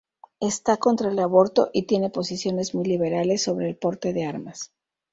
Está contra el aborto, y tiene posiciones muy liberales sobre el porte de armas.